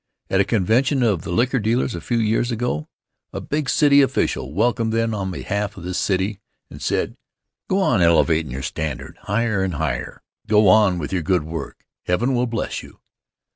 At a convention of the liquor dealers a few years ago, a big city official welcomed them on behalf of the city and said: "Go on elevatin' your standard higher and higher. Go on with your good work. Heaven will bless YOU!"